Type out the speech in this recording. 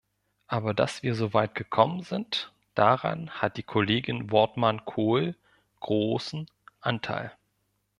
Aber dass wir so weit gekommen sind, daran hat die Kollegin Wortmann-Kool großen Anteil.